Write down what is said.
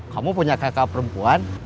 kamu punya kaka perempuan